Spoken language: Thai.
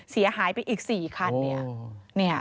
เสียหายไปอีก๔คัน